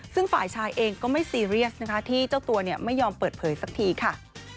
ซึ่งฝ่ายชายเองก็ไม่ซีเรียสนะคะที่เจ้าตัวไม่ยอมเปิดเผยสักทีค่ะ